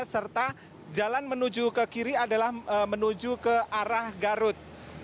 serta jalan menuju ke kiri adalah menuju ke arah garut